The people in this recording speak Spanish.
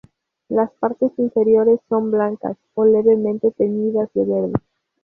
Las partes inferiores son blancas o levemente teñidas de verde.